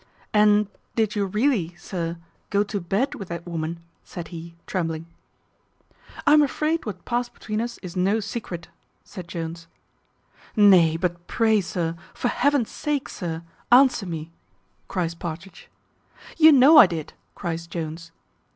"And did you really, sir, go to bed with that woman?" said he, trembling. "I am afraid what past between us is no secret," said Jones. "Nay, but pray, sir, for Heaven's sake, sir, answer me," cries Partridge. "You know I did," cries Jones.